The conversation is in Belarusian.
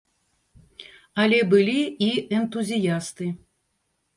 Але былі і энтузіясты.